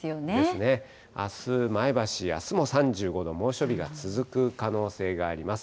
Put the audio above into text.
あす、前橋、あすも３５度、猛暑日が続く可能性があります。